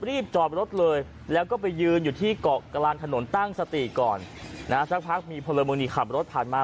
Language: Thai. รีบจอดรถเลยแล้วก็ไปยืนอยู่ที่เกาะกลางถนนตั้งสติก่อนนะฮะสักพักมีพลเมืองดีขับรถผ่านมา